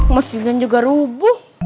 mesinnya juga rubuh